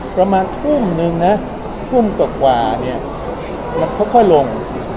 ประมาณทุ่มนึงนะทุ่มเก้าความันค่อยลง